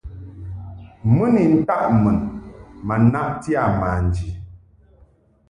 Mɨ ni ntaʼ mun ma naʼti a manji.